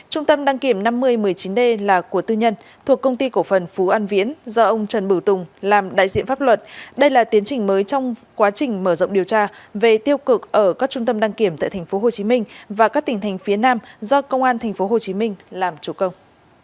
trung tâm đăng kiểm năm mươi một mươi chín d là của tư nhân thuộc công ty cổ phần phú an viễn do ông trần bửu tùng làm đại diện pháp luật đây là tiến trình mới trong quá trình mở rộng điều tra về tiêu cực ở các trung tâm đăng kiểm tại tp hcm và các tỉnh thành phía nam do công an tp hcm làm chủ công